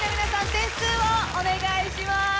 点数をお願いします。